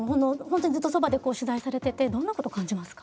ずっとそばで取材されててどんなこと感じますか？